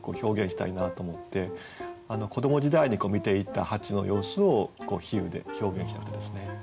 子ども時代に見ていた蜂の様子を比喩で表現したくてですね。